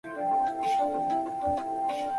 半乳糖可导致人们在老年时患上白内障。